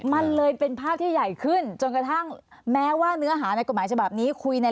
มันเลยเป็นภาพที่ใหญ่ขึ้นจนกระทั่งแม้ว่าเนื้อหาในกฎหมายฉบับนี้คุยใน